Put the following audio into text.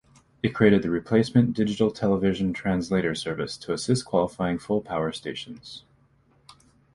It created the "Replacement Digital Television Translator Service" to assist qualifying full-power stations.